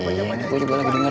gue juga lagi dengar